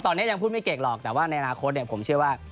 ตอนนี้ยังพูดไม่เก่งหรอกแต่ว่าในอนาคตผมเชื่อว่า